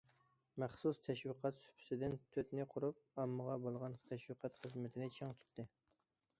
مەخسۇس تەشۋىقات سۇپىسىدىن تۆتنى قۇرۇپ، ئاممىغا بولغان تەشۋىقات خىزمىتىنى چىڭ تۇتتى.